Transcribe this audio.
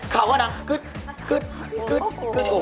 เข่าก็ดังกึ๊ตกึ๊ตกุ๊ปุ๊